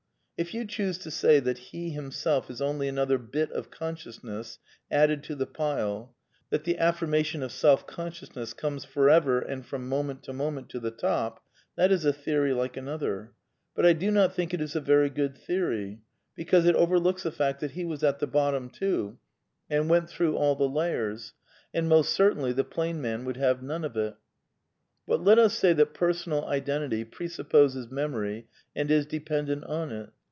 If you choose to say that he himself is only another bit of consciousness added to the pile — that the afiirmation of self consciousness comes forever and from moment to mo ment to the top — that is a theory like another. But I do not think it is a very good theory, because it overlooks the fact that he was at the bottom too, and went through all I I i ^ PAN PSYCHISM OF SAMUEL BUTLER 41 the layers. And most certainly the plain man would have none of it. But let us say that personal identity presupposes memory and is dependent on it.